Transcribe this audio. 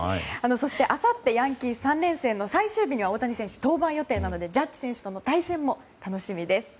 そしてあさってヤンキース３連戦大谷選手、登板予定なのでジャッジ選手との対戦も楽しみです。